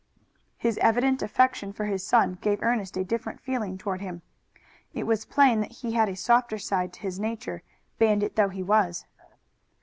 His evident affection for his son gave Ernest a different feeling toward him. It was plain that he had a softer side to his nature, bandit though he was.